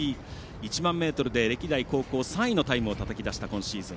１万メートルで歴代最高の３位のタイムをたたき出した今シーズン。